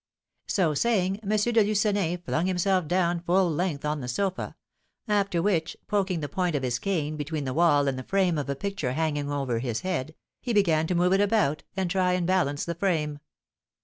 So saying, M. de Lucenay flung himself down full length on the sofa; after which, poking the point of his cane between the wall and the frame of a picture hanging over his head, he began to move it about, and try and balance the frame.